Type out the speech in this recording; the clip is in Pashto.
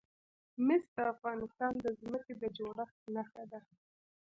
مس د افغانستان د ځمکې د جوړښت نښه ده.